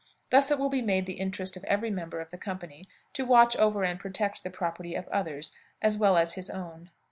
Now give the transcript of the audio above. Thus it will be made the interest of every member of the company to watch over and protect the property of others as well as his own.